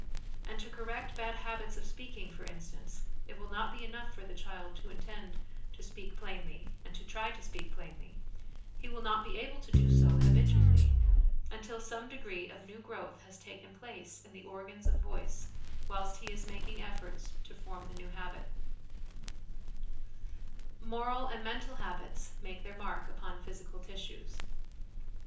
And to correct bad habits of speak ing, for instance, it will not be enough for the child to intend to speak plainly and to try to speak plainly ; he will not be able to do so habitually until some degree 8 1 14 HOME EDUCATION of new growth has taken place in the organs of voice whilst he is making efforts to form the new habit Moral and Mental Habits make their Mark upon Physical Tissues.